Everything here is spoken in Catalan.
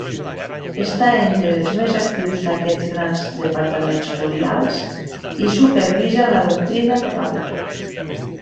Està entre els més actius d'aquests grans departaments curials, i supervisa la doctrina catòlica.